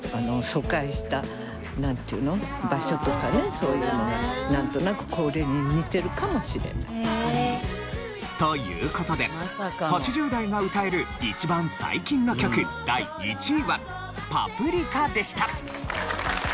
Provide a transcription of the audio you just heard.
そういうのがなんとなくこれに似てるかもしれない。という事で８０代が歌える一番最近の曲第１位は『パプリカ』でした。